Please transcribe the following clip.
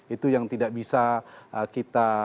itu yang tidak bisa kita